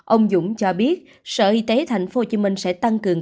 ông dũng cho biết sở y tế tp hcm sẽ tăng cường